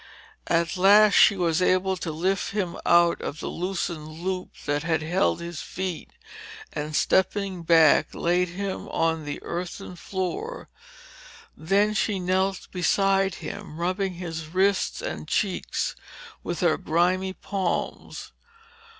At last she was able to lift him out of the loosened loop that had held his feet and stepping back, laid him on the earthen floor. Then she knelt beside him, rubbing his wrists and cheeks with her grimy palms.